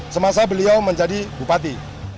semasa beliau menjadi bupati